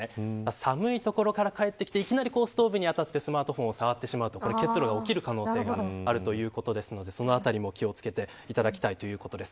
寒い所から帰ってきていきなりストーブに当たってスマートフォンを触ってしまうと結露が起きる可能性があるということなのでそのあたりも気を付けていただきたいということです。